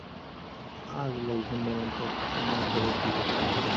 আজ লোকজন নেমন্তন্ন করে ফেলেছি।